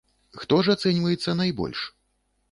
Хто ж ацэньваецца найбольш?